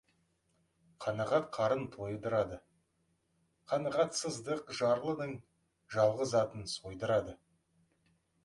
Қанағат қарын тойдырады, қанағатсыздық жарлының жалғыз атын сойдырады.